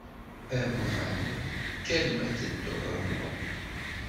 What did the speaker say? A Muḥ, a Muḥ, kker ma ad tedduḍ ad nruḥ.